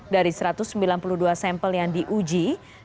dari satu ratus sembilan puluh dua sampel yang diuji